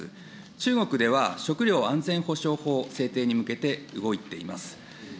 中国では、食料安全保障法制定に向けて動いています。